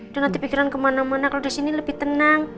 nanti pikiran kemana mana kalau di sini lebih tenang